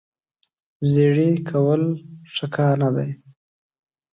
زیړې کول ښه کار نه دی.